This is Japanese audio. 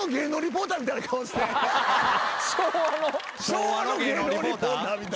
昭和の芸能リポーターみたい。